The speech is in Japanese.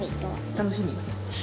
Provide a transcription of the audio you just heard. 楽しみ。